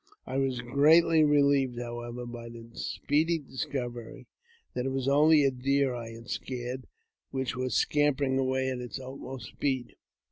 I was greatly relieved, however, by the speedy discovery that it was only a deer I had scared, and which was scampering away at its utmost speed.